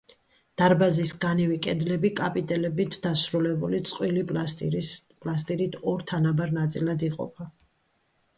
დარბაზის განივი კედლები კაპიტელებით დასრულებული წყვილი პილასტრით ორ თანაბარ ნაწილად იყოფა.